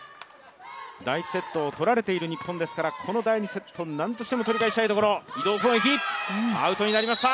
第１セットを取られている日本ですから、この第２セットは何としても取り返したいところ。